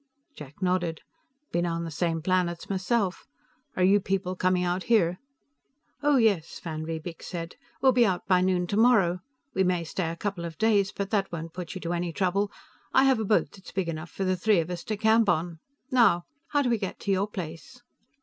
Jack nodded. "Been on the same planets myself. Are you people coming out here?" "Oh, yes," van Riebeek said. "We'll be out by noon tomorrow. We may stay a couple of days, but that won't put you to any trouble; I have a boat that's big enough for the three of us to camp on. Now, how do we get to your place?"